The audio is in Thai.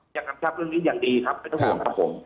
กำชับเรื่องนี้อย่างดีครับไม่ต้องห่วงครับผม